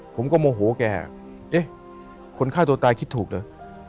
ผมก็โมโหแกเอ๊ะคนฆ่าตัวตายคิดถูกเหรอ